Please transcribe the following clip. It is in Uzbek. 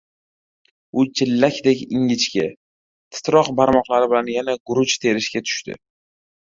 U chillakdek ingichka, titroq barmoqlari bilan yana guruch terishga tushdi.